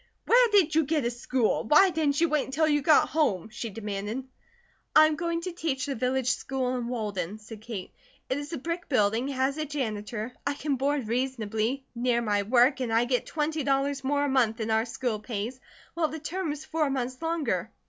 "Where did you get a school? Why didn't you wait until you got home?" she demanded. "I am going to teach the village school in Walden," said Kate. "It is a brick building, has a janitor, I can board reasonably, near my work, and I get twenty dollars more a month than our school pays, while the term is four months longer."